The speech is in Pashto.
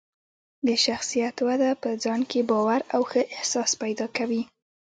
د شخصیت وده په ځان کې باور او ښه احساس پیدا کوي.